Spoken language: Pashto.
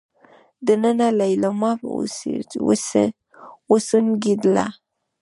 دننه ليلما وسونګېدله.